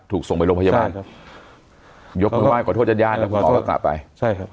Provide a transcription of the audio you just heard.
ถูกส่งไปโรงพยาบาลครับยกมือไห้ขอโทษญาติญาติแล้วคุณหมอก็กลับไปใช่ครับ